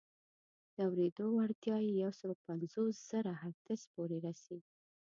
د اورېدو وړتیا یې یو سل پنځوس زره هرتز پورې رسي.